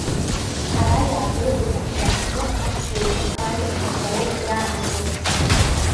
Ҳара иаадыруеит абжьааԥны аԥсуа изын ажәа ԥхашьароуп иаанаго.